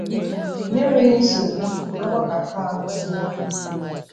n'enweghị nsogbu 'a gbakata a kwụsị'.